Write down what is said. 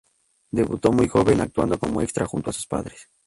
Debutó muy joven, actuando como extra junto a sus padres.